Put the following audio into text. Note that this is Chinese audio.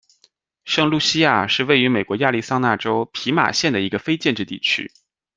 圣露西亚是位于美国亚利桑那州皮马县的一个非建制地区。